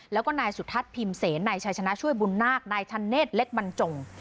แล้วก็นายสุทัศน์พิมพ์เสนนายชัยชนะช่วยบุญนาคนายธเนธเล็กบรรจง